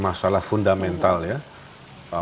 masalah fundamental ya